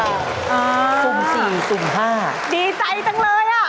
สุ่มสี่สุ่มห้าดีใจจังเลยอ่ะ